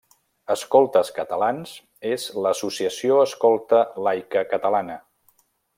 Escoltes Catalans és l'associació escolta laica catalana.